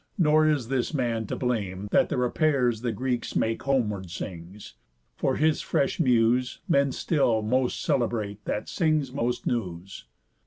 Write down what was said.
Nor is this man to blame, that the repairs The Greeks make homeward sings; for his fresh muse Men still most celebrate that sings most news.